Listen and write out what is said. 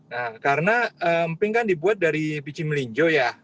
nah karena emping kan dibuat dari biji melinjo ya